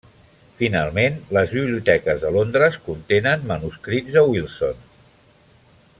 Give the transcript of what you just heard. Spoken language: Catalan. Finalment, les biblioteques de Londres contenen manuscrits de Wilson.